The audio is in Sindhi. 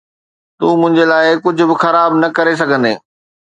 تون منهنجي لاءِ ڪجهه به خراب نه ڪري سگهندين.